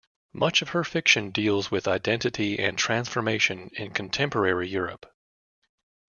Much of her fiction deals with identity and transformation in contemporary Europe.